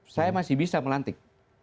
saya masih bisa melantik